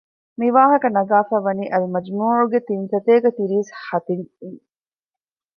މިވާހަކަ ނަގާފައިވަނީ އަލްމަޖްމޫޢުގެ ތިންސަތޭކަ ތިރީސް ހަ ތިން އިން